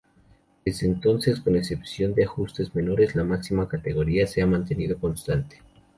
Desde entonces, con excepción de ajustes menores, la máxima categoría se ha mantenido constante.